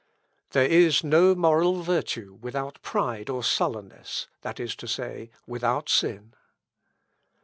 "There is no moral virtue without pride or sullenness, that is to say, without sin.